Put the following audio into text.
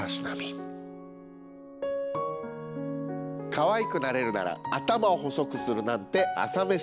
かわいくなれるなら頭を細くするなんて朝飯前。